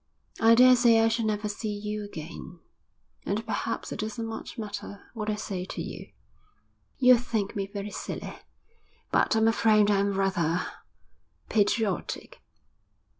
'I daresay I shall never see you again, and perhaps it doesn't much matter what I say to you. You'll think me very silly, but I'm afraid I'm rather patriotic.